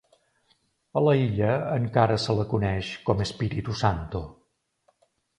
A la illa encara se la coneix com Espiritu Santo.